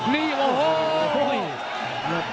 นี่โอ้โห